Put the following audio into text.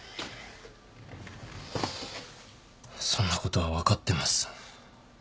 そんなことは分かってます。